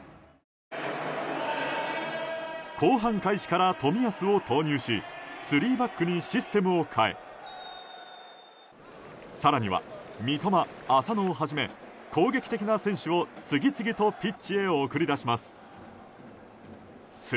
後半開始から冨安を投入し３バックにシステムを変え更には三笘、浅野をはじめ攻撃的な選手を次々とピッチへ送り出します。